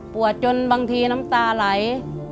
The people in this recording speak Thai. จนบางทีน้ำตาไหล